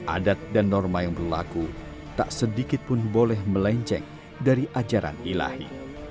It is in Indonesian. adat dan norma yang berlaku tak sedikit pun boleh melenceng dari ajaran ilahi